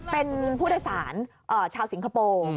เป็นผู้โดยสารชาวสิงคโปร์